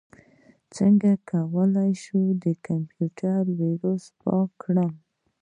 څنګه کولی شم د کمپیوټر ویروس پاک کړم